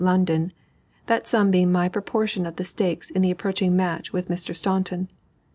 London: that sum being my proportion of the stakes in the approaching match with Mr. Staunton.